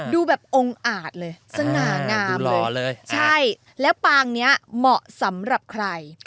ดูแบบองค์อาจเลยสง่างามหล่อเลยใช่แล้วปางนี้เหมาะสำหรับใคร